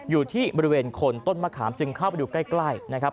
อยู่ที่บริเวณคนต้นมะขามจึงเข้าไปดูใกล้นะครับ